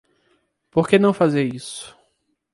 Por que não fazer isso